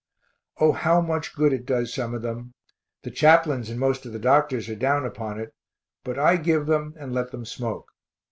O how much good it does some of them the chaplains and most of the doctors are down upon it but I give them and let them smoke.